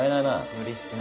無理っすね。